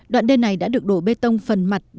đoạn đê này đã được đổ bê tông phần mặt